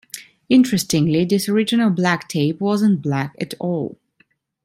Interestingly, this original black tape wasn't black at all.